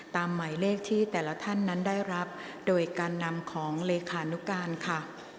หมายเลขที่แต่ละท่านนั้นได้รับโดยการนำของเลขานุการค่ะ